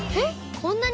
こんなに？